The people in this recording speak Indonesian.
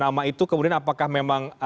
nama itu kemudian apakah memang